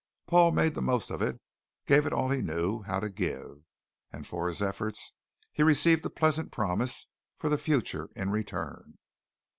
Paul made the most of it; gave it all he knew how to give, and for his efforts he received a pleasant promise for the future in return.